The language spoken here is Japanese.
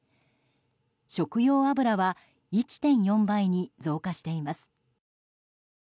食用油は１．４倍に増加しています。